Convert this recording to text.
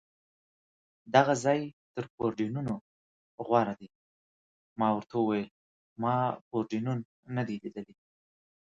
دغه ځای تر پورډېنون غوره دی، ما ورته وویل: ما پورډېنون نه دی لیدلی.